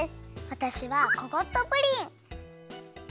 わたしはココットプリン。